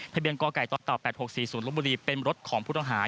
พระเบียงก้อไก่ตัวต่อ๘๖๔๐รถบุรีเป็นรถของพุทธอาหาร